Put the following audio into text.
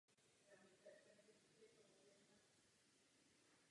Ten se jmenuje Michelangelo a vypadá jako Beethoven.